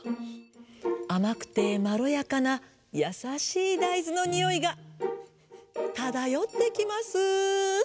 あまくてまろやかなやさしいだいずのにおいがただよってきます。